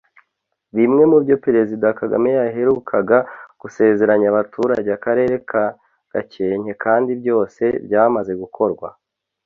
Bimwe mu byo Perezida Kagame yaherukaga gusezeranya abatuye Akarere ka Gakenke kandi byose byamaze gukorwa